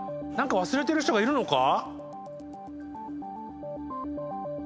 忘れてる人がいるのか？